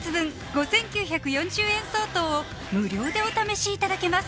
５９４０円相当を無料でお試しいただけます